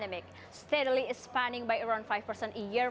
ini adalah kesempatan untuk saya untuk bertemu dengan anda